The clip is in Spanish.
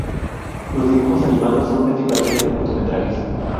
Los dibujos animados son principalmente cortometrajes.